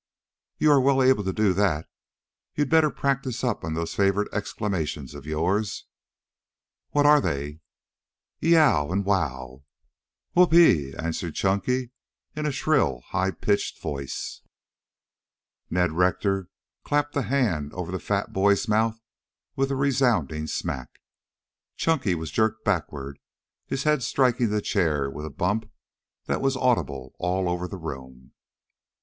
"You are well able to do that. You'd better practise up on those favorite exclamations of yours " "What are they?" "Y e o w and W o w!" "Who o o p e e!" answered Chunky in a shrill, high pitched voice. Ned Rector clapped a hand over the fat boy's mouth with a resounding smack. Chunky was jerked backward, his head striking the chair with a bump that was audible all over the room.